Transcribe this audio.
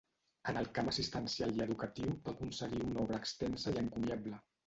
En el camp assistencial i educatiu va aconseguir una obra extensa i encomiable.